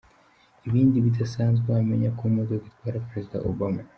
Ibindi bidasanzwe wamenya ku modoka itwara Perezida Obama.